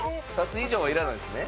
２つ以上はいらないんですね？